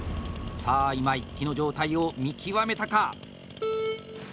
さあ、今井木の状態を見極めたか？